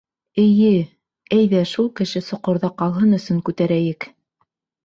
Эйе, әйҙә шул кеше соҡорҙа ҡалһын өсөн күтәрәйек!